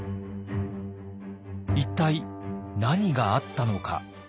一体何があったのか。